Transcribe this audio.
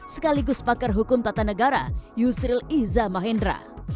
sekaligus pakar hukum tata negara yusril iza mahendra